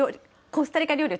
コスタリカ料理？